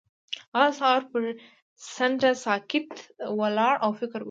هغه د سهار پر څنډه ساکت ولاړ او فکر وکړ.